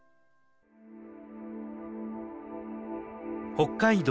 北海道